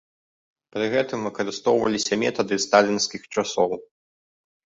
Пры гэтым выкарыстоўваліся метады сталінскіх часоў.